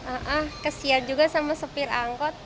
ah ah kesian juga sama sopir angkot